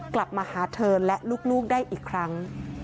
กลับมาหาเธอและลูกได้อีกครั้ง